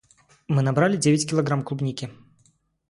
Мы набрали девять килограмм клубники.